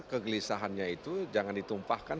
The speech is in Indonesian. kegelisahannya itu jangan ditumpahkan